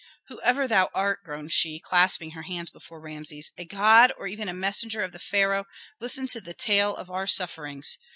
"Whoever thou art," groaned she, clasping her hands before Rameses, "a god, or even a messenger of the pharaoh, listen to the tale of our sufferings.